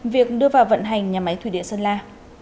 việc đưa vào vận hành nhà máy thủy điện sơn la